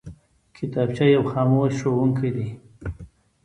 کتابچه یو خاموش ښوونکی دی